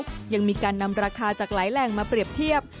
ยังมีการนำราคาจากหลายแหล่งมาเปรียบเทียบ